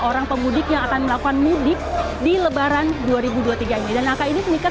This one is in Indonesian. orang pemudik yang akan melakukan mudik di lebaran dua ribu dua puluh tiga ini dan angka ini sedikit